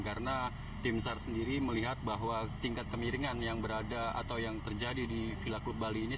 karena tim sar sendiri melihat bahwa tingkat kemiringan yang berada atau yang terjadi di villa klub bali ini